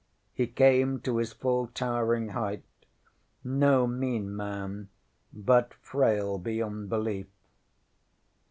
ŌĆØ He came to his full towering height no mean man, but frail beyond belief.